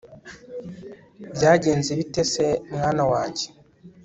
byagenze bite se, mwana wanjye